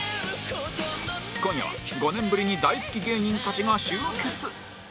今夜は５年ぶりに大好き芸人たちが集結